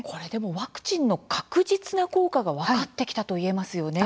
ワクチンの確実な効果が分かってきたと言えますよね。